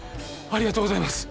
ありがとうございます！